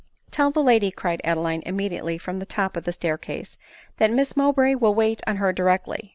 "Tell the lady," cried Adeline, immediately from the top of the staircase, " that Miss Mowbray will wait on her directly."